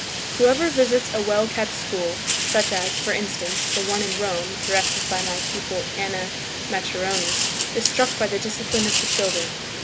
Whoever visits a well kept school (such as, for instance, the one in Rome directed by my pupil Anna Maccheroni) is struck by the discipline of the children.